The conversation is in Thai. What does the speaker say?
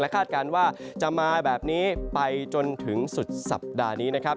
คาดการณ์ว่าจะมาแบบนี้ไปจนถึงสุดสัปดาห์นี้นะครับ